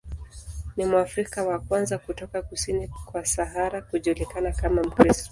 Ni Mwafrika wa kwanza kutoka kusini kwa Sahara kujulikana kama Mkristo.